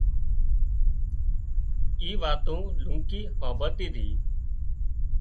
اُي واتُون لونڪي هامڀۯتي تي